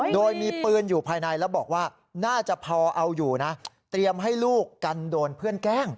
โดยมีปืนอยู่ภายในแล้วบอกว่าน่าจะพอเอาอยู่นะเตรียมให้ลูกกันโดนเพื่อนแกล้ง